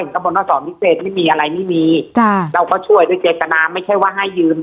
กระบวนการสอนพิเศษไม่มีอะไรไม่มีเราก็ช่วยด้วยเจตนาไม่ใช่ว่าให้ยืน